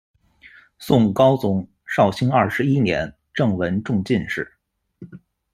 宋高宗绍兴二十一年郑闻中进士。